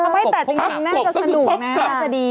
น่าจะสนุกนะน่าจะดี